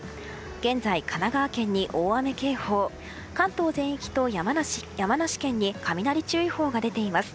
現在、神奈川県に大雨警報関東全域と山梨県に雷注意報が出ています。